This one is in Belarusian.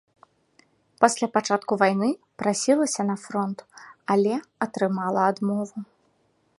Пасля пачатку вайны прасілася на фронт, але атрымала адмову.